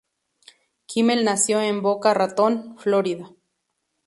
Kimmel nació en Boca Ratón, Florida.